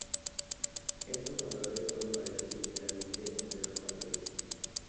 Estos valores pueden variar ligeramente entre laboratorios.